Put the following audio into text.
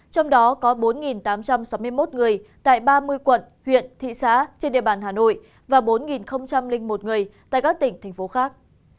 trong đó có bốn tám trăm sáu mươi một người tại ba mươi quận huyện thị xã trên địa bàn hà nội và bốn một người tại các tỉnh thành phố khác